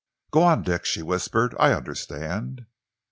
"Go on, Dick," she whispered. "I understand."